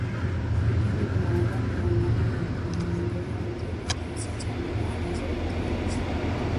vikundi vinaweza kuungana na kumuuzia mteja kiasi cha bidhaa anazohitaji